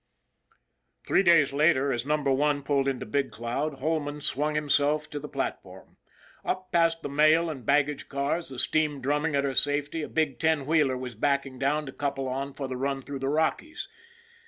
Three days later, as Number One pulled into Big Cloud, Holman swung himself to the platform. Up past the mail and baggage cars, the steam drumming at her safety, a big ten wheeler was backing down to couple on for the run through the Rockies.